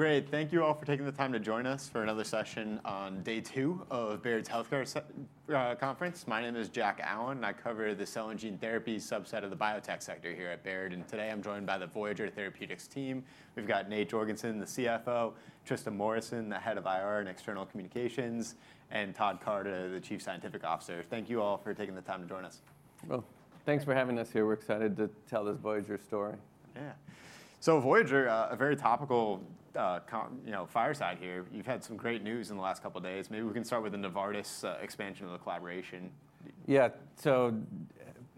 Great. Thank you all for taking the time to join us for another session on day two of Baird's Healthcare Conference. My name is Jack Allen, and I cover the cell and gene therapy subset of the biotech sector here at Baird, and today I'm joined by the Voyager Therapeutics team. We've got Nate Jorgensen, the CFO, Trista Morrison, Head of IR and External Communications, and Todd Carter, the Chief Scientific Officer. Thank you all for taking the time to join us. Thanks for having us here. We're excited to tell this Voyager story. Yeah. So Voyager, a very topical conference, you know, fireside here. You've had some great news in the last couple of days. Maybe we can start with the Novartis expansion of the collaboration. Yeah. So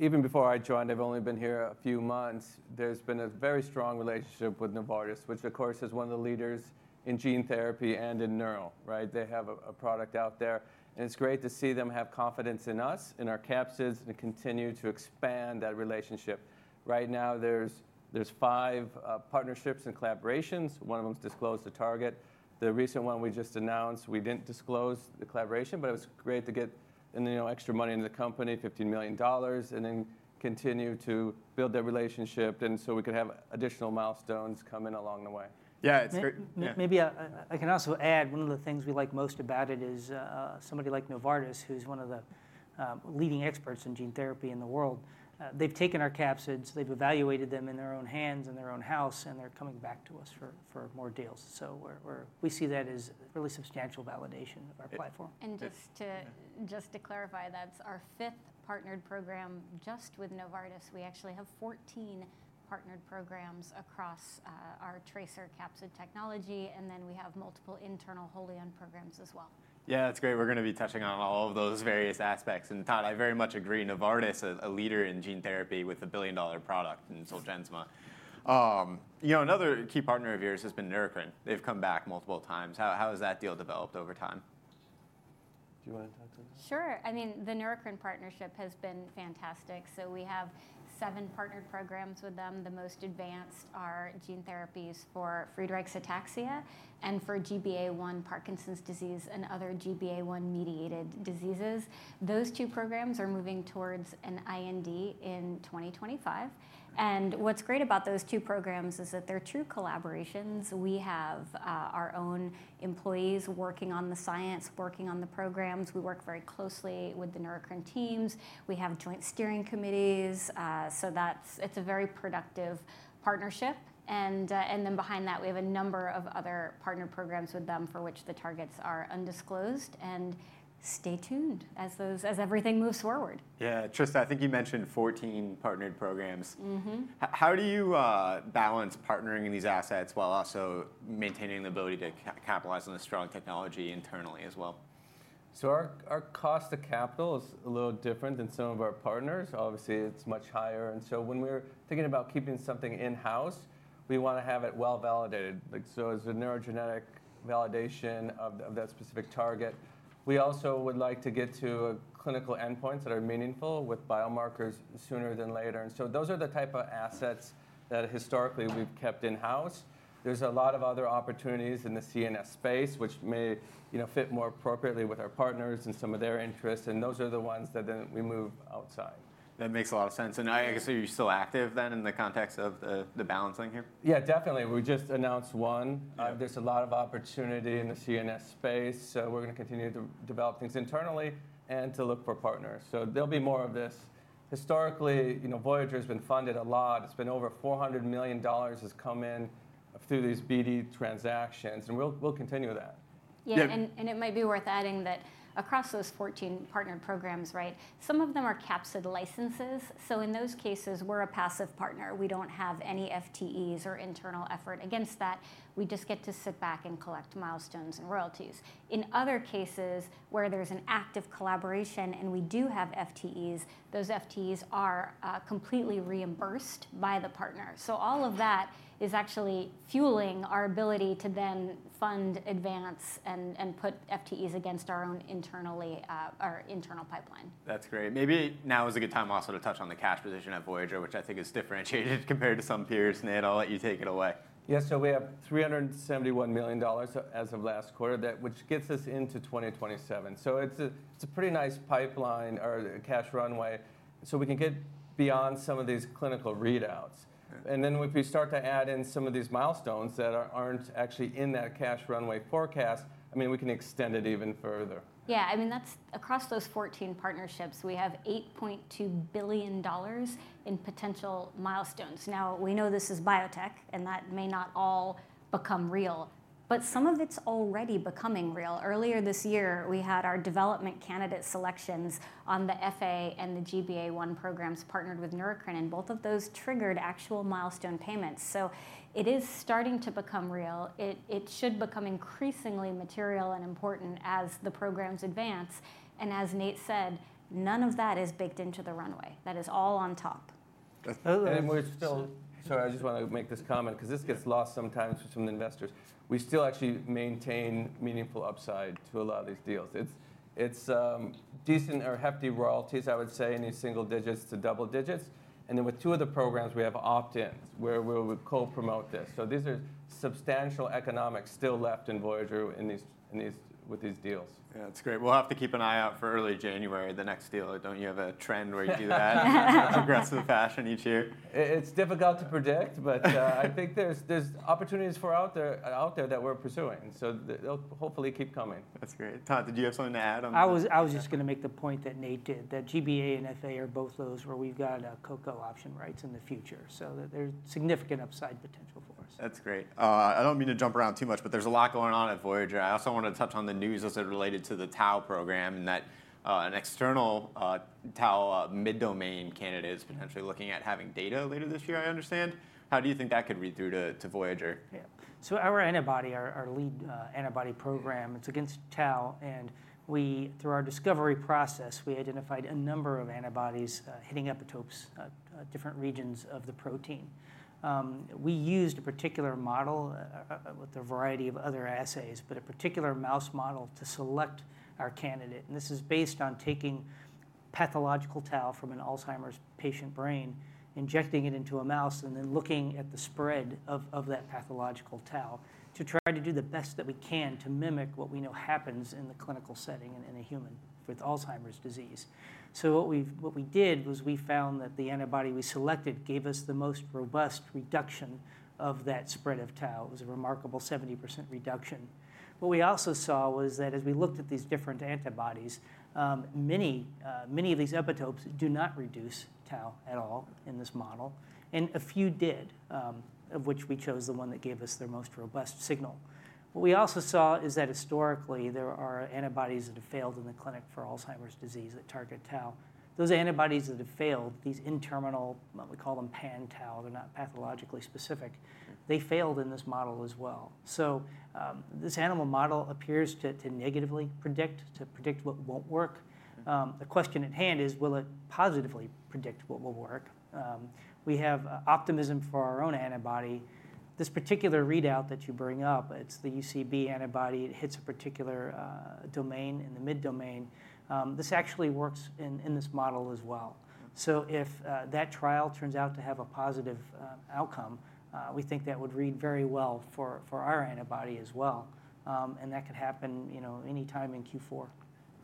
even before I joined, I've only been here a few months. There's been a very strong relationship with Novartis, which of course is one of the leaders in gene therapy and in neuro, right? They have a product out there, and it's great to see them have confidence in us, in our capsids, and continue to expand that relationship. Right now, there's five partnerships and collaborations. One of them is disclosed, the target. The recent one we just announced, we didn't disclose the collaboration, but it was great to get, you know, extra money into the company, $15 million, and then continue to build that relationship, and so we could have additional milestones coming along the way. Yeah, it's great- Maybe I can also add, one of the things we like most about it is, somebody like Novartis, who's one of the leading experts in gene therapy in the world. They've taken our capsids, they've evaluated them in their own hands, in their own house, and they're coming back to us for more deals. So we see that as really substantial validation of our platform. Yeah. Just to clarify, that's our fifth partnered program just with Novartis. We actually have 14 partnered programs across our TRACER capsid technology, and then we have multiple internal wholly-owned programs as well. Yeah, it's great. We're going to be touching on all of those various aspects. And Todd, I very much agree, Novartis, a leader in gene therapy with a billion-dollar product in Zolgensma. You know, another key partner of yours has been Neurocrine. They've come back multiple times. How has that deal developed over time? Do you want to talk about that? Sure. I mean, the Neurocrine partnership has been fantastic. So we have seven partnered programs with them. The most advanced are gene therapies for Friedreich's ataxia and for GBA1 Parkinson's disease and other GBA1-mediated diseases. Those two programs are moving towards an IND in 2025, and what's great about those two programs is that they're true collaborations. We have our own employees working on the science, working on the programs. We work very closely with the Neurocrine teams. We have joint steering committees, so that's. It's a very productive partnership. And then behind that, we have a number of other partner programs with them for which the targets are undisclosed, and stay tuned as everything moves forward. Yeah. Trista, I think you mentioned 14 partnered programs. Mm-hmm. How do you balance partnering in these assets while also maintaining the ability to capitalize on the strong technology internally as well? Our cost to capital is a little different than some of our partners. Obviously, it's much higher, and when we're thinking about keeping something in-house, we want to have it well validated. Like, so as a neurogenetic validation of that specific target, we also would like to get to clinical endpoints that are meaningful with biomarkers sooner than later. Those are the type of assets that historically we've kept in-house. There's a lot of other opportunities in the CNS space, which may, you know, fit more appropriately with our partners and some of their interests, and those are the ones that then we move outside. That makes a lot of sense. And I guess, are you still active then, in the context of the, the balancing here? Yeah, definitely. We just announced one. Yeah. There's a lot of opportunity in the CNS space, so we're going to continue to develop things internally and to look for partners. So there'll be more of this. Historically, you know, Voyager's been funded a lot. It's been over $400 million has come in through these BD transactions, and we'll continue that. Yeah- Yeah. It might be worth adding that across those 14 partner programs, right, some of them are capsid licenses. So in those cases, we're a passive partner. We don't have any FTEs or internal effort against that. We just get to sit back and collect milestones and royalties. In other cases, where there's an active collaboration and we do have FTEs, those FTEs are completely reimbursed by the partner. So all of that is actually fueling our ability to then fund, advance, and put FTEs against our own internal pipeline. That's great. Maybe now is a good time also to touch on the cash position at Voyager, which I think is differentiated compared to some peers. Nate, I'll let you take it away. Yeah, so we have $371 million as of last quarter, which gets us into 2027. So it's a pretty nice pipeline or cash runway, so we can get beyond some of these clinical readouts. Right. And then if we start to add in some of these milestones that aren't actually in that cash runway forecast, I mean, we can extend it even further. Yeah, I mean, that's across those 14 partnerships, we have $8.2 billion in potential milestones. Now, we know this is biotech, and that may not all become real, but some of it's already becoming real. Earlier this year, we had our development candidate selections on the FA and the GBA1 programs partnered with Neurocrine, and both of those triggered actual milestone payments. So it is starting to become real. It should become increasingly material and important as the programs advance. And as Nate said, none of that is baked into the runway. That is all on top.... And we're still. Sorry, I just wanna make this comment, 'cause this gets lost sometimes for some investors. We still actually maintain meaningful upside to a lot of these deals. It's decent or hefty royalties, I would say, in these single digits to double digits. And then with two of the programs, we have opt-ins, where we'll co-promote this. So these are substantial economics still left in Voyager in these with these deals. Yeah, it's great. We'll have to keep an eye out for early January, the next deal. Don't you have a trend where you do that in progressive fashion each year? It's difficult to predict, but I think there's opportunities out there that we're pursuing, so they'll hopefully keep coming. That's great. Todd, did you have something to add on? I was just gonna make the point that Nate did, that GBA and FA are both those where we've got co-co option rights in the future, so there's significant upside potential for us. That's great. I don't mean to jump around too much, but there's a lot going on at Voyager. I also wanted to touch on the news as it related to the tau program, and that an external tau mid-domain candidate is potentially looking at having data later this year, I understand. How do you think that could read through to Voyager? Yeah. So our antibody, our lead antibody program- Yeah... it's against tau, and we, through our discovery process, we identified a number of antibodies, hitting epitopes, different regions of the protein. We used a particular model, with a variety of other assays, but a particular mouse model to select our candidate, and this is based on taking pathological tau from an Alzheimer's patient brain, injecting it into a mouse, and then looking at the spread of that pathological tau to try to do the best that we can to mimic what we know happens in the clinical setting and in a human with Alzheimer's disease. So what we've-- what we did, was we found that the antibody we selected gave us the most robust reduction of that spread of tau. It was a remarkable 70% reduction. What we also saw was that as we looked at these different antibodies, many, many of these epitopes do not reduce tau at all in this model, and a few did, of which we chose the one that gave us the most robust signal. What we also saw is that historically, there are antibodies that have failed in the clinic for Alzheimer's disease that target tau. Those antibodies that have failed, these N-terminal, what we call them pan-tau, they're not pathologically specific, they failed in this model as well. So, this animal model appears to negatively predict, to predict what won't work. The question at hand is, will it positively predict what will work? We have optimism for our own antibody. This particular readout that you bring up, it's the UCB antibody. It hits a particular, domain in the mid-domain. This actually works in this model as well. So if that trial turns out to have a positive outcome, we think that would read very well for our antibody as well. And that could happen, you know, anytime in Q4.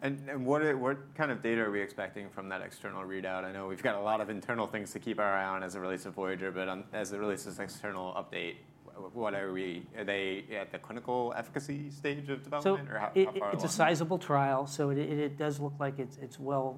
What kind of data are we expecting from that external readout? I know we've got a lot of internal things to keep our eye on as it relates to Voyager, but as it relates to this external update, are they at the clinical efficacy stage of development, or how far along? It's a sizable trial, so it does look like it's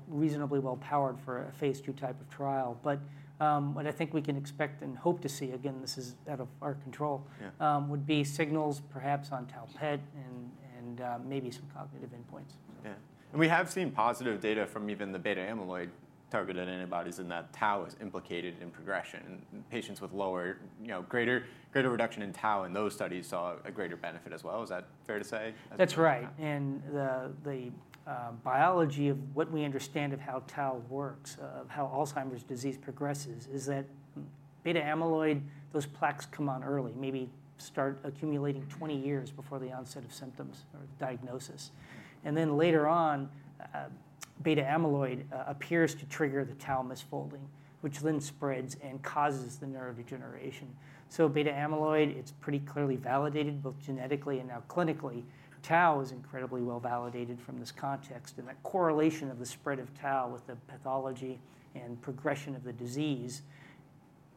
reasonably well powered for a Phase II type of trial. But, what I think we can expect and hope to see, again, this is out of our control- Yeah... would be signals, perhaps on Tau PET and maybe some cognitive endpoints. Yeah. And we have seen positive data from even the beta-amyloid targeted antibodies, and that tau is implicated in progression. Patients with lower, you know, greater, greater reduction in tau in those studies saw a greater benefit as well. Is that fair to say? That's right. And the biology of what we understand of how tau works, of how Alzheimer's disease progresses, is that beta-amyloid, those plaques come on early, maybe start accumulating twenty years before the onset of symptoms or diagnosis. And then later on, beta-amyloid appears to trigger the tau misfolding, which then spreads and causes the neurodegeneration. So beta-amyloid, it's pretty clearly validated, both genetically and now clinically. Tau is incredibly well validated from this context, and that correlation of the spread of tau with the pathology and progression of the disease,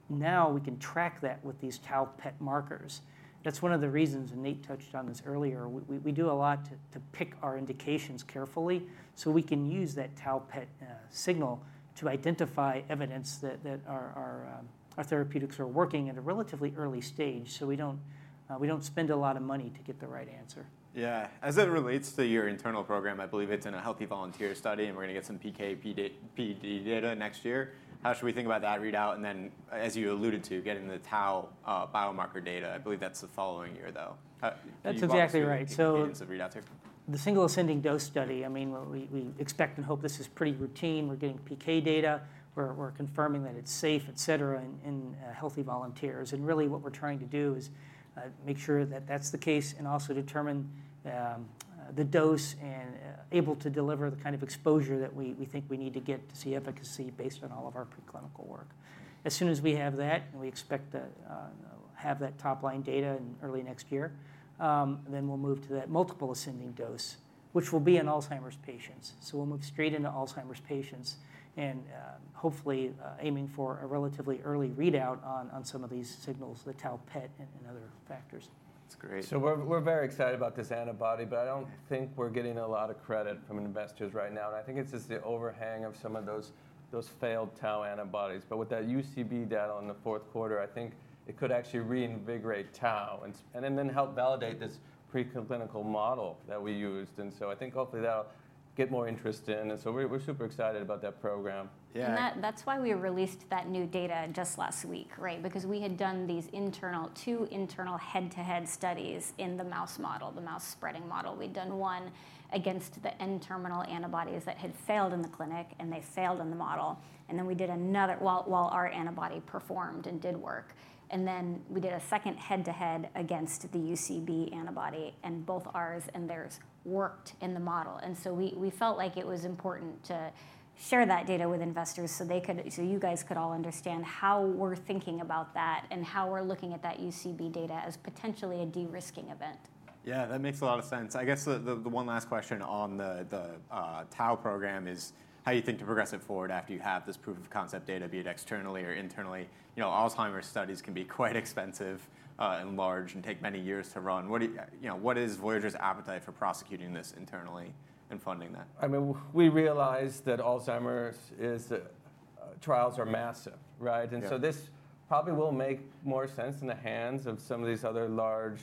now we can track that with these Tau PET markers. That's one of the reasons, and Nate touched on this earlier, we do a lot to pick our indications carefully, so we can use that Tau PET signal to identify evidence that our therapeutics are working at a relatively early stage, so we don't spend a lot of money to get the right answer. Yeah. As it relates to your internal program, I believe it's in a healthy volunteer study, and we're gonna get some PK, PD, PD data next year. How should we think about that readout? And then, as you alluded to, getting the tau, biomarker data, I believe that's the following year, though. How- That's exactly right. So, what's the readout take? The single ascending dose study, I mean, we expect and hope this is pretty routine. We're getting PK data, we're confirming that it's safe, et cetera, in healthy volunteers, and really, what we're trying to do is make sure that that's the case, and also determine the dose and able to deliver the kind of exposure that we think we need to get to see efficacy based on all of our preclinical work. As soon as we have that, and we expect to have that top-line data in early next year, then we'll move to that multiple ascending dose, which will be in Alzheimer's patients, so we'll move straight into Alzheimer's patients and hopefully aiming for a relatively early readout on some of these signals, the Tau PET and other factors. That's great. So we're very excited about this antibody, but I don't think we're getting a lot of credit from investors right now, and I think it's just the overhang of some of those failed tau antibodies. But with that UCB data on the fourth quarter, I think it could actually reinvigorate tau and then help validate this preclinical model that we used. And so I think hopefully, that'll get more interest in, and so we're super excited about that program. Yeah- That's why we released that new data just last week, right? Because we had done these two internal head-to-head studies in the mouse model, the mouse spreading model. We'd done one against the N-terminal antibodies that had failed in the clinic, and they failed in the model, and then we did another. Our antibody performed and did work. Then we did a second head-to-head against the UCB antibody, and both ours and theirs worked in the model. So we felt like it was important to share that data with investors so you guys could all understand how we're thinking about that and how we're looking at that UCB data as potentially a de-risking event.... Yeah, that makes a lot of sense. I guess the one last question on the tau program is how you think to progress it forward after you have this proof of concept data, be it externally or internally? You know, Alzheimer's studies can be quite expensive, and large, and take many years to run. You know, what is Voyager's appetite for prosecuting this internally and funding that? I mean, we realize that Alzheimer's is, trials are massive, right? Yeah. And so this probably will make more sense in the hands of some of these other large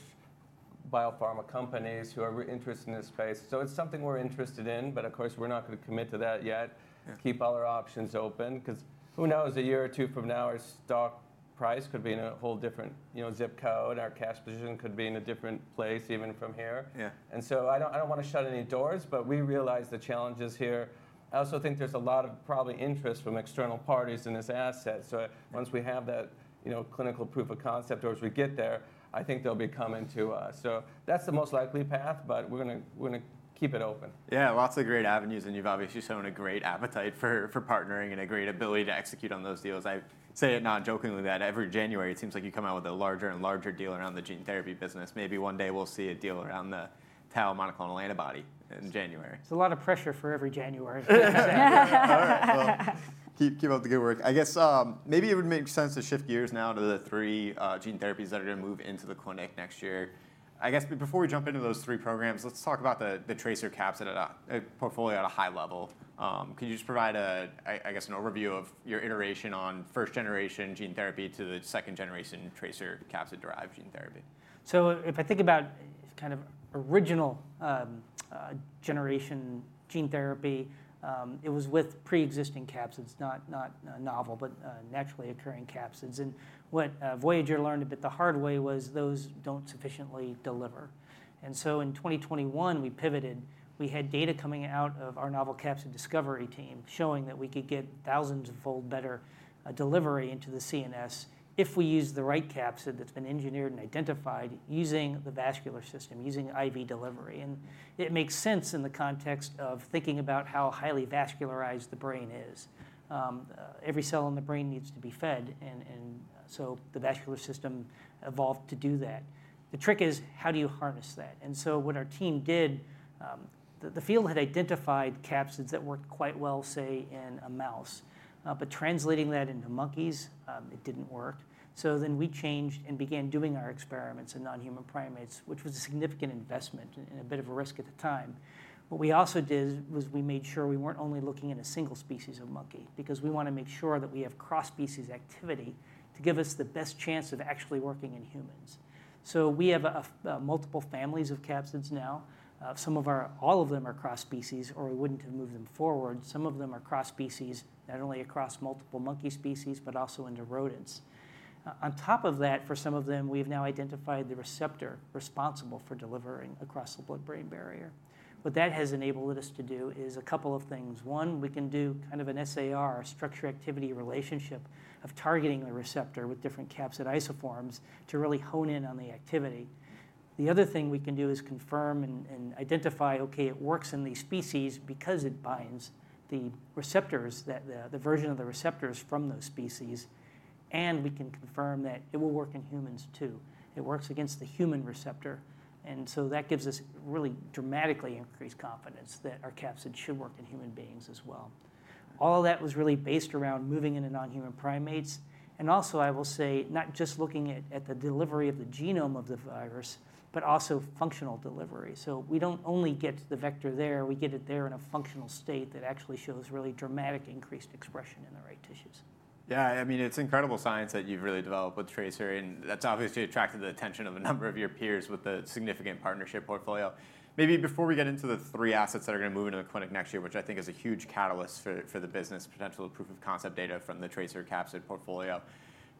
biopharma companies who are interested in this space. So it's something we're interested in, but of course, we're not going to commit to that yet. Yeah. Let's keep all our options open, 'cause who knows, a year or two from now, our stock price could be in a whole different, you know, zip code. Our cash position could be in a different place, even from here. Yeah. And so I don't want to shut any doors, but we realize the challenges here. I also think there's a lot of probably interest from external parties in this asset. Yeah. So once we have that, you know, clinical proof of concept, or as we get there, I think they'll be coming to us. So that's the most likely path, but we're going to keep it open. Yeah, lots of great avenues, and you've obviously shown a great appetite for partnering and a great ability to execute on those deals. I say it not jokingly, that every January, it seems like you come out with a larger and larger deal around the gene therapy business. Maybe one day we'll see a deal around the tau monoclonal antibody in January. It's a lot of pressure for every January. All right, well, keep up the good work. I guess, maybe it would make sense to shift gears now to the three gene therapies that are going to move into the clinic next year. I guess, but before we jump into those three programs, let's talk about the TRACER capsid at a portfolio at a high level. Could you just provide a, I guess, an overview of your iteration on first generation gene therapy to the second generation TRACER capsid-derived gene therapy? So if I think about kind of original generation gene therapy, it was with pre-existing capsids, not novel, but naturally occurring capsids. And what Voyager learned, a bit the hard way, was those don't sufficiently deliver. And so in 2021, we pivoted. We had data coming out of our novel capsid discovery team, showing that we could get thousands of fold better delivery into the CNS if we use the right capsid that's been engineered and identified using the vascular system, using IV delivery. And it makes sense in the context of thinking about how highly vascularized the brain is. Every cell in the brain needs to be fed, and so the vascular system evolved to do that. The trick is, how do you harness that? And so what our team did... The field had identified capsids that worked quite well, say, in a mouse. But translating that into monkeys, it didn't work, so then we changed and began doing our experiments in non-human primates, which was a significant investment and a bit of a risk at the time. What we also did was we made sure we weren't only looking at a single species of monkey, because we want to make sure that we have cross-species activity to give us the best chance of actually working in humans, so we have multiple families of capsids now. All of them are cross-species, or we wouldn't have moved them forward. Some of them are cross-species, not only across multiple monkey species, but also into rodents. On top of that, for some of them, we've now identified the receptor responsible for delivering across the blood-brain barrier. What that has enabled us to do is a couple of things. One, we can do kind of an SAR, a structure activity relationship, of targeting the receptor with different capsid isoforms to really hone in on the activity. The other thing we can do is confirm and identify, okay, it works in these species because it binds the receptors, that the version of the receptors from those species, and we can confirm that it will work in humans too. It works against the human receptor, and so that gives us really dramatically increased confidence that our capsid should work in human beings as well. All of that was really based around moving into non-human primates, and also, I will say, not just looking at the delivery of the genome of the virus, but also functional delivery. So we don't only get the vector there, we get it there in a functional state that actually shows really dramatic increased expression in the right tissues. Yeah, I mean, it's incredible science that you've really developed with TRACER, and that's obviously attracted the attention of a number of your peers with the significant partnership portfolio. Maybe before we get into the three assets that are going to move into the clinic next year, which I think is a huge catalyst for the business, potential proof of concept data from the TRACER capsid portfolio,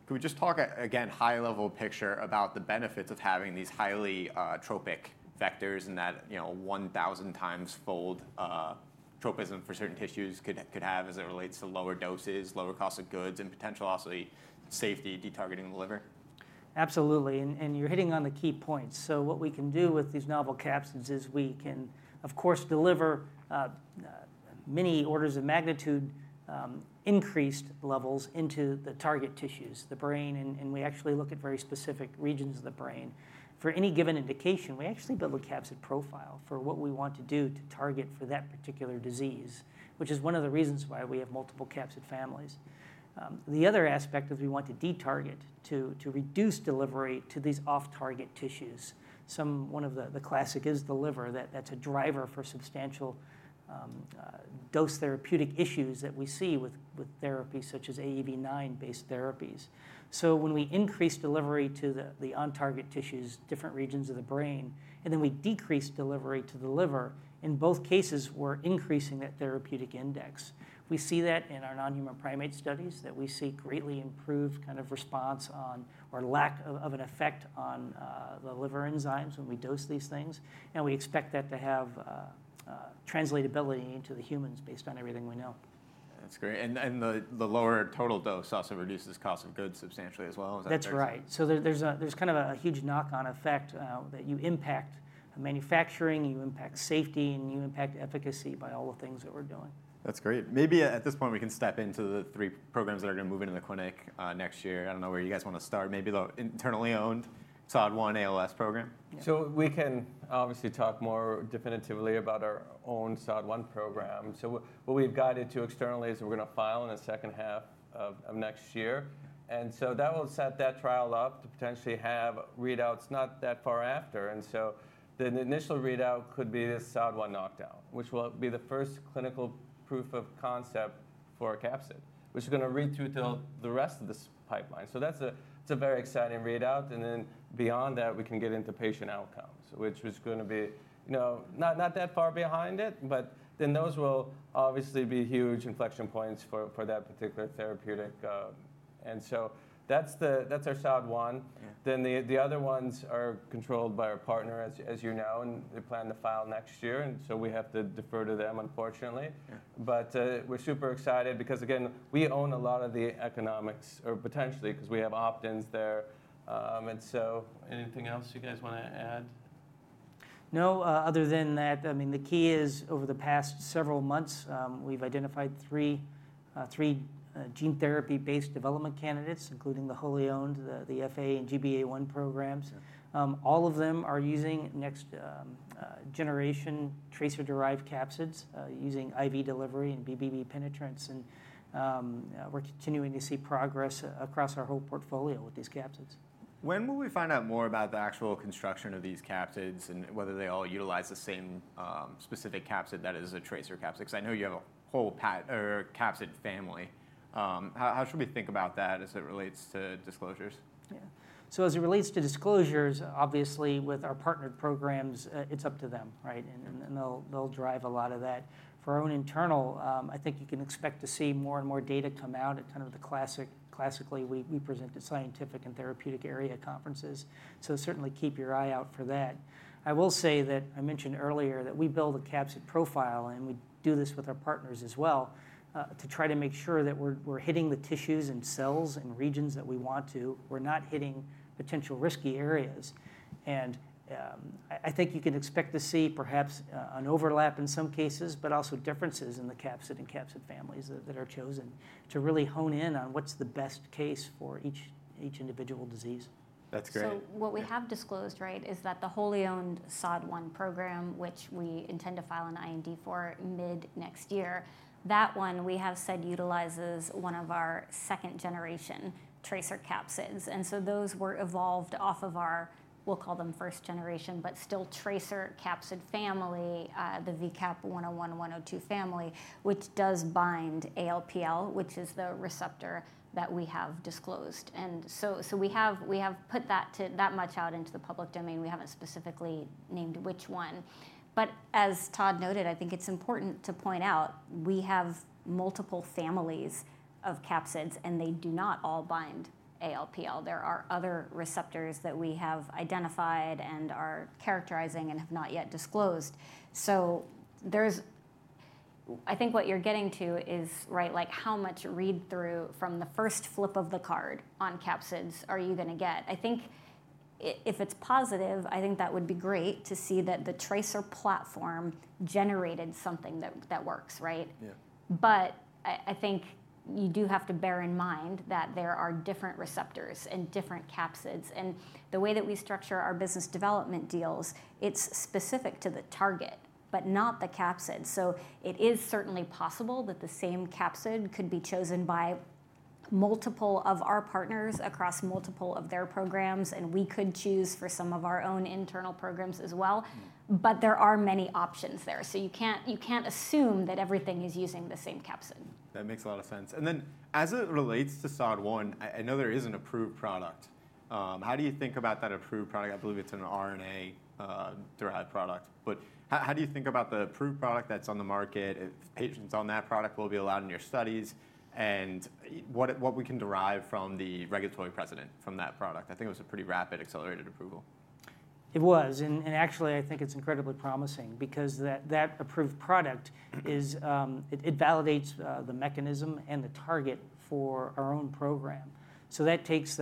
can we just talk again, high-level picture about the benefits of having these highly tropic vectors and that, you know, 1,000 times fold tropism for certain tissues could have as it relates to lower doses, lower cost of goods, and potential also safety, detargeting the liver? Absolutely, and you're hitting on the key points. So what we can do with these novel capsids is we can, of course, deliver many orders of magnitude increased levels into the target tissues, the brain, and we actually look at very specific regions of the brain. For any given indication, we actually build a capsid profile for what we want to do to target for that particular disease, which is one of the reasons why we have multiple capsid families. The other aspect is we want to detarget to reduce delivery to these off-target tissues. One of the classic is the liver, that's a driver for substantial dose therapeutic issues that we see with therapies such as AAV9-based therapies. When we increase delivery to the on-target tissues, different regions of the brain, and then we decrease delivery to the liver, in both cases, we're increasing that therapeutic index. We see that in our non-human primate studies, greatly improved kind of response on or lack of an effect on the liver enzymes when we dose these things, and we expect that to have translatability into the humans based on everything we know.... That's great. And the lower total dose also reduces cost of goods substantially as well, is that correct? That's right. So there's kind of a huge knock-on effect that you impact manufacturing, you impact safety, and you impact efficacy by all the things that we're doing. That's great. Maybe at this point, we can step into the three programs that are going to move into the clinic next year. I don't know where you guys want to start. Maybe the internally owned SOD1-ALS program? So we can obviously talk more definitively about our own SOD1 program. What we've guided to externally is we're going to file in the second half of next year, and so that will set that trial up to potentially have readouts not that far after. And so the initial readout could be this SOD1 knockdown, which will be the first clinical proof of concept for a capsid, which is going to read through to the rest of this pipeline. So that's it's a very exciting readout, and then beyond that, we can get into patient outcomes, which is going to be, you know, not that far behind it, but then those will obviously be huge inflection points for that particular therapeutic goal. And so that's that's our SOD1. Yeah. Then the other ones are controlled by our partner, as you know, and they plan to file next year, and so we have to defer to them, unfortunately. Yeah. But, we're super excited because, again, we own a lot of the economics, or potentially, because we have opt-ins there. And so anything else you guys want to add? No, other than that, I mean, the key is, over the past several months, we've identified three gene therapy-based development candidates, including the wholly owned, the FA and GBA1 programs. All of them are using next generation TRACER-derived capsids, using IV delivery and BBB penetrance, and, we're continuing to see progress across our whole portfolio with these capsids. When will we find out more about the actual construction of these capsids and whether they all utilize the same specific capsid that is a TRACER capsid? Because I know you have a whole or capsid family. How should we think about that as it relates to disclosures? Yeah. So as it relates to disclosures, obviously, with our partnered programs, it's up to them, right? And they'll drive a lot of that. For our own internal, I think you can expect to see more and more data come out at kind of the classic, classically, we present at scientific and therapeutic area conferences. So certainly keep your eye out for that. I will say that I mentioned earlier that we build a capsid profile, and we do this with our partners as well, to try to make sure that we're hitting the tissues and cells and regions that we want to. We're not hitting potential risky areas. I think you can expect to see perhaps an overlap in some cases, but also differences in the capsid and capsid families that are chosen to really hone in on what's the best case for each individual disease. That's great. So what we have disclosed, right, is that the wholly owned SOD1 program, which we intend to file an IND for mid-next year, that one, we have said, utilizes one of our second-generation TRACER capsids. And so those were evolved off of our, we'll call them first generation, but still TRACER capsid family, the VCAP-101, -102 family, which does bind ALPL, which is the receptor that we have disclosed. And so we have put that much out into the public domain. We haven't specifically named which one. But as Todd noted, I think it's important to point out we have multiple families of capsids, and they do not all bind ALPL. There are other receptors that we have identified and are characterizing and have not yet disclosed. So, I think what you're getting to is, right, like, how much read-through from the first flip of the card on capsids are you going to get? I think if it's positive, I think that would be great to see that the TRACER platform generated something that works, right? Yeah. But I think you do have to bear in mind that there are different receptors and different capsids, and the way that we structure our business development deals, it's specific to the target, but not the capsid. So it is certainly possible that the same capsid could be chosen by multiple of our partners across multiple of their programs, and we could choose for some of our own internal programs as well. Mm. But there are many options there, so you can't assume that everything is using the same capsid. That makes a lot of sense. And then, as it relates to SOD1, I know there is an approved product. How do you think about that approved product? I believe it's an RNA derived product, but how do you think about the approved product that's on the market, if patients on that product will be allowed in your studies, and what we can derive from the regulatory precedent from that product? I think it was a pretty rapid, accelerated approval. It was, and actually, I think it's incredibly promising because that approved product is, it validates the mechanism and the target for our own program. So that takes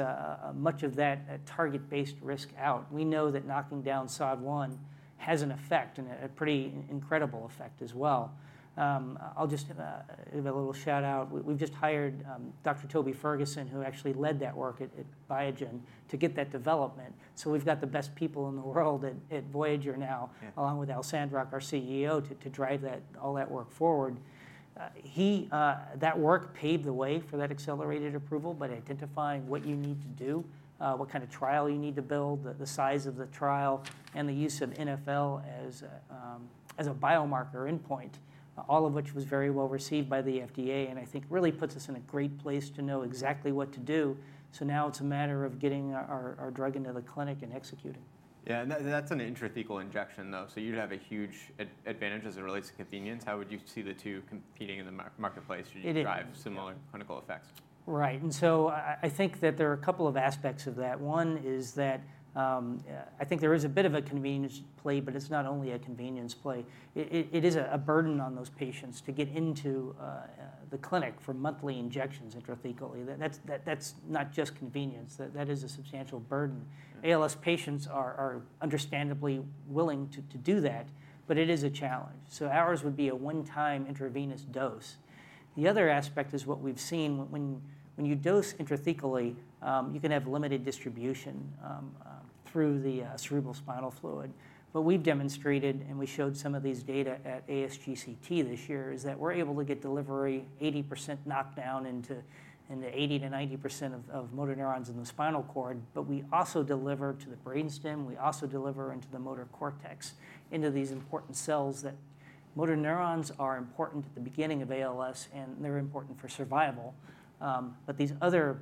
much of that target-based risk out. We know that knocking down SOD1 has an effect and a pretty incredible effect as well. I'll just give a little shout-out. We've just hired Dr. Toby Ferguson, who actually led that work at Biogen, to get that development. So we've got the best people in the world at Voyager now- Yeah... along with Al Sandrock, our CEO, to drive that, all that work forward. That work paved the way for that accelerated approval by identifying what you need to do, what kind of trial you need to build, the size of the trial, and the use of NfL as a biomarker endpoint, all of which was very well received by the FDA, and I think really puts us in a great place to know exactly what to do. So now it's a matter of getting our drug into the clinic and executing. Yeah, and that, that's an intrathecal injection, though, so you'd have a huge advantage as it relates to convenience. How would you see the two competing in the marketplace? It- Should you drive similar clinical effects? Right. And so I think that there are a couple of aspects of that. One is that I think there is a bit of a convenience play, but it's not only a convenience play. It is a burden on those patients to get into the clinic for monthly injections intrathecally. That's not just convenience, that is a substantial burden. Yeah. ALS patients are understandably willing to do that, but it is a challenge. So ours would be a one-time intravenous dose. The other aspect is what we've seen, when you dose intrathecally, you can have limited distribution through the cerebrospinal fluid. But we've demonstrated, and we showed some of these data at ASGCT this year, is that we're able to get delivery 80% knocked down into 80%-90% of motor neurons in the spinal cord, but we also deliver to the brainstem, we also deliver into the motor cortex, into these important cells that... Motor neurons are important at the beginning of ALS, and they're important for survival. But these other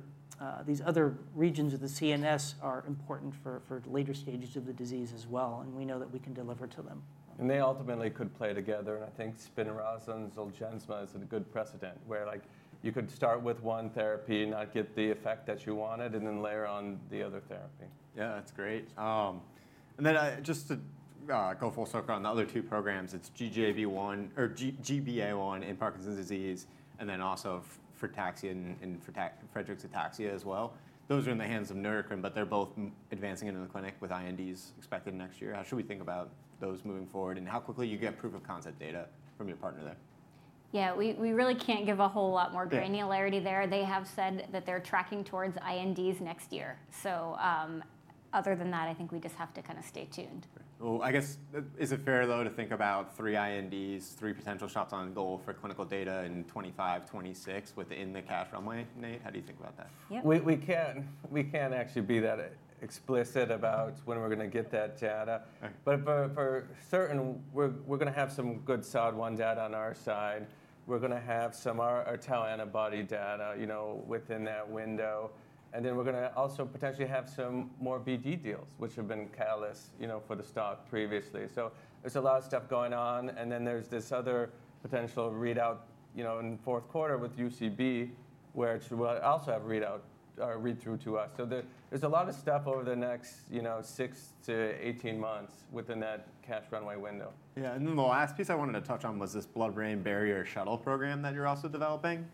regions of the CNS are important for later stages of the disease as well, and we know that we can deliver to them. They ultimately could play together, and I think SPINRAZA and Zolgensma set a good precedent, where, like, you could start with one therapy and not get the effect that you wanted, and then layer on the other therapy. Yeah, that's great. And then, just to go full circle on the other two programs, it's GBA1 in Parkinson's disease, and then also frataxin in Friedreich's ataxia as well. Those are in the hands of Neurocrine, but they're both advancing into the clinic, with INDs expected next year. How should we think about those moving forward, and how quickly you get proof of concept data from your partner there? Yeah, we really can't give a whole lot more- Yeah... granularity there. They have said that they're tracking towards INDs next year. So, other than that, I think we just have to kind of stay tuned. I guess, is it fair, though, to think about three INDs, three potential shots on goal for clinical data in 2025, 2026, within the cash runway? Nate, how do you think about that? Yeah. We can't actually be that explicit about when we're gonna get that data. Right. But for certain, we're gonna have some good, solid Phase I data on our side. We're gonna have some of our anti-tau antibody data, you know, within that window, and then we're gonna also potentially have some more BD deals, which have been catalyst, you know, for the stock previously. So there's a lot of stuff going on, and then there's this other potential readout, you know, in the fourth quarter with UCB, where it should also have readout read through to us. So there's a lot of stuff over the next, you know, six to 18 months within that cash runway window. Yeah, and then the last piece I wanted to touch on was this blood-brain barrier shuttle program that you're also developing.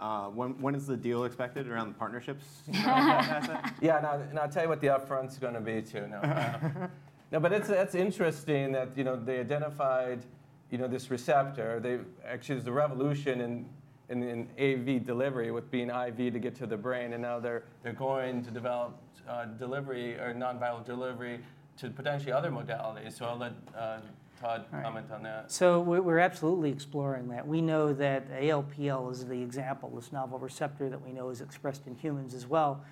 When is the deal expected around the partnerships-... on that asset? Yeah, and I'll tell you what the upfront is gonna be, too. No. No, but it's, that's interesting that, you know, they identified, you know, this receptor. They've actually, it's a revolution in AAV delivery, with being IV to get to the brain, and now they're going to develop delivery or non-viral delivery to potentially other modalities. So I'll let Todd- Right... comment on that. So we're absolutely exploring that. We know that ALPL is the example, this novel receptor that we know is expressed in humans as well.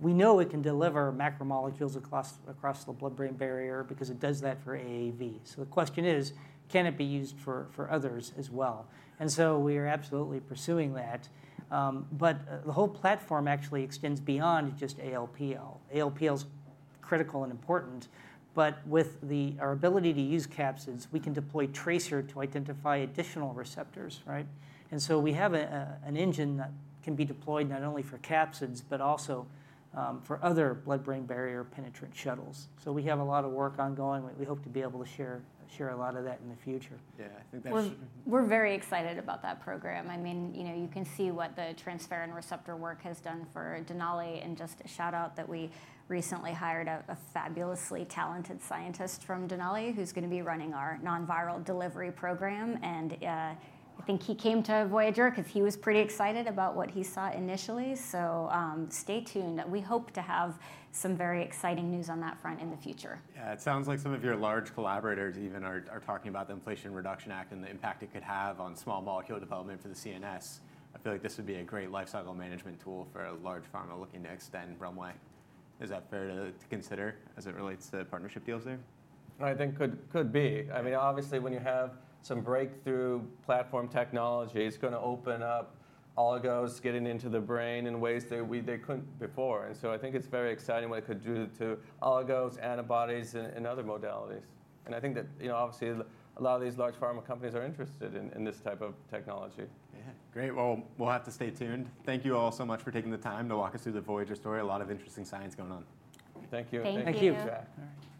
We know it can deliver macromolecules across the blood-brain barrier because it does that for AAV. So the question is, can it be used for others as well? And so we are absolutely pursuing that. But the whole platform actually extends beyond just ALPL. ALPL's critical and important, but with our ability to use capsids, we can deploy TRACER to identify additional receptors, right? And so we have an engine that can be deployed not only for capsids, but also for other blood-brain barrier-penetrant shuttles. So we have a lot of work ongoing. We hope to be able to share a lot of that in the future. Yeah, I think that's- Well, we're very excited about that program. I mean, you know, you can see what the transferrin receptor work has done for Denali. And just a shout-out that we recently hired a fabulously talented scientist from Denali, who's gonna be running our non-viral delivery program. And, I think he came to Voyager because he was pretty excited about what he saw initially. So, stay tuned. We hope to have some very exciting news on that front in the future. Yeah, it sounds like some of your large collaborators even are talking about the Inflation Reduction Act and the impact it could have on small molecule development for the CNS. I feel like this would be a great lifecycle management tool for a large pharma looking to extend runway. Is that fair to consider as it relates to partnership deals there? I think it could be. I mean, obviously, when you have some breakthrough platform technology, it's gonna open up oligos getting into the brain in ways that we, they couldn't before. And so I think it's very exciting what it could do to oligos, antibodies, and other modalities. And I think that, you know, obviously, a lot of these large pharma companies are interested in this type of technology. Yeah. Great, well, we'll have to stay tuned. Thank you all so much for taking the time to walk us through the Voyager story. A lot of interesting science going on. Thank you. Thank you. Thank you. Yeah. All right.